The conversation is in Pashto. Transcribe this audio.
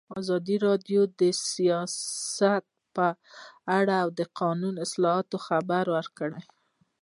ازادي راډیو د سیاست په اړه د قانوني اصلاحاتو خبر ورکړی.